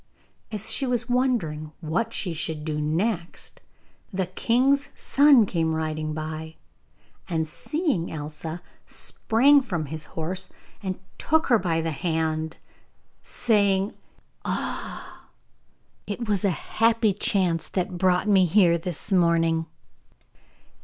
As she was wondering what she should do next the king's son came riding by, and, seeing Elsa, sprang from his horse, and took her by the hand, sawing, 'Ah! it was a happy chance that brought me here this morning.